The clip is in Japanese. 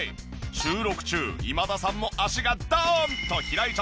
収録中今田さんも脚がドーンと開いちゃってます。